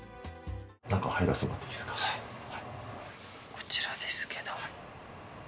こちらですけど。